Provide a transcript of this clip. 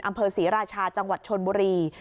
อำเภอศรีราชาจังหวัดชนบุรี